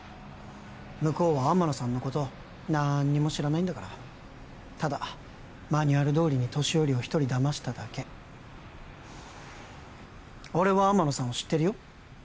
向こうは天野さんのことなんにも知らないんだからただマニュアルどおりに年寄りを一人騙しただけ俺は天野さんを知ってるよ